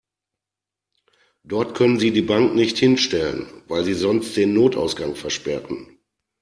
Dort können Sie die Bank nicht hinstellen, weil Sie sonst den Notausgang versperren.